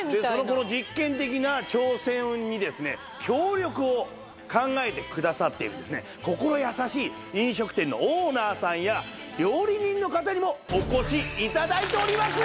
この実験的な挑戦に協力を考えてくださってる心優しい飲食店のオーナーさんや料理人の方にもお越しいただいております！